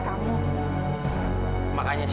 kalau dia tak baik